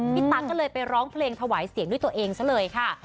ตั๊กก็เลยไปร้องเพลงถวายเสียงด้วยตัวเองซะเลยค่ะ